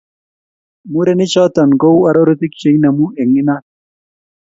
Murenichoto kou arorutik che inemu eng inat